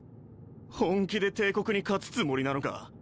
本気で帝国に勝つつもりなのか？